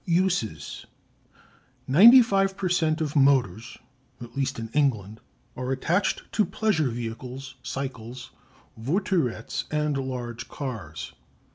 Uses. Ninety five per cent of motors, at least in England, are attached to pleasure vehicles, cycles, voiturettes, and large cars.